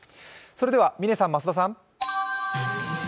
それでは嶺さん、増田さん。